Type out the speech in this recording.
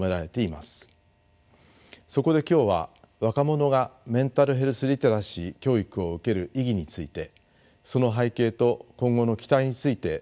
そこで今日は若者がメンタルヘルスリテラシー教育を受ける意義についてその背景と今後の期待についてお話しいたします。